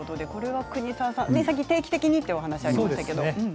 國澤さん、定期的にというお話がありましたけれど。